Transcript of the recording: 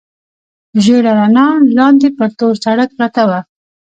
ژېړه رڼا، لاندې پر تور سړک پرته وه.